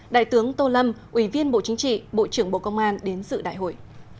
đại tướng tô lâm ủy viên bộ chính trị bộ trưởng bộ công an đến dự đại hội